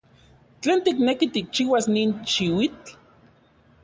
¿Tlen tikneki tikchiuas nin xiuitl?